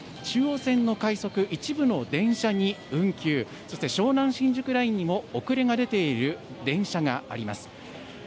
中央線の快速、一部の電車に運休、そして湘南新宿ラインにも遅れが出ている電車があります。